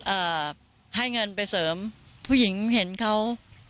เอ่อให้เงินไปเสริมผู้หญิงเห็นเขา